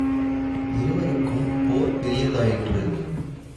இருவருக்கும் போர் பெரிதாயிற்று.